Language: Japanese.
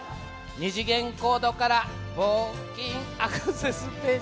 ２次元コードから募金アクセスページ。